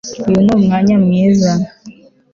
Uyu ni umwanya mwiza